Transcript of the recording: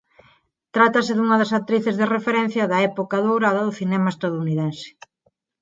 Trátase dunha das actrices de referencia da época dourada do cinema estadounidense.